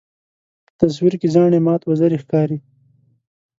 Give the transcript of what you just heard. په تصویر کې زاڼې مات وزرې ښکاري.